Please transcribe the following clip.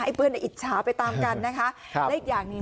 เพื่อนอิจฉาไปตามกันนะคะครับและอีกอย่างหนึ่ง